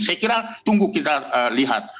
saya kira tunggu kita lihat